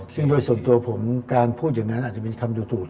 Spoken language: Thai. ซึ่งโดยส่วนตัวผมการพูดอย่างนั้นอาจจะมีคำยูทูต